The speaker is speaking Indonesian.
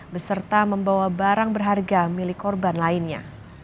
beserta membawa barang berharga milik korban lainnya